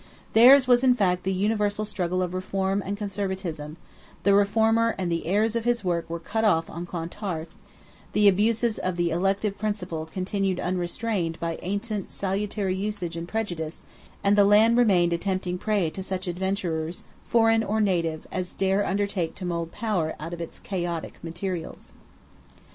Theirs was in fact the universal struggle of reform and conservatism; the reformer and the heirs of his work were cut off on Clontarf; the abuses of the elective principle continued unrestrained by ancient salutary usage and prejudice, and the land remained a tempting prey to such Adventurers, foreign or native, as dare undertake to mould power out of its chaotic materials.